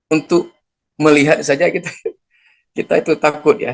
untuk melihat saja kita itu takut ya